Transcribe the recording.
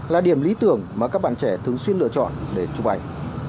là điểm lý tưởng mà các bạn trẻ thường xuyên lựa chọn để chụp ảnh